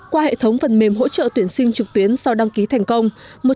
qua hệ thống phần mềm hỗ trợ tuyển sinh trực tuyến sau đăng ký thành công